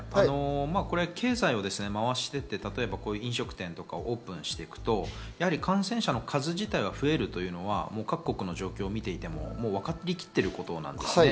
経済をまわしていって飲食店をオープンしていくと感染者の数自体は増えるというのは各国の状況を見ていてもわかりきってることなんです。